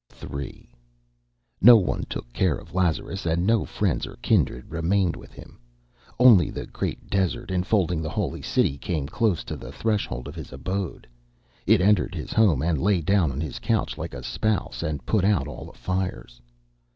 III No one took care of Lazarus, and no friends or kindred remained with him. Only the great desert, enfolding the Holy City, came close to the threshold of his abode. It entered his home, and lay down on his couch like a spouse, and put out all the fires.